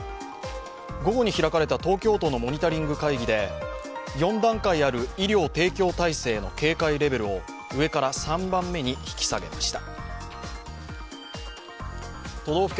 午後に開かれた東京都のモニタリング会議で４段階ある医療提供体制の警戒レベルを上から３番目に引き下げました。